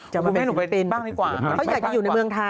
เขาอยากอยู่ในเมืองไทย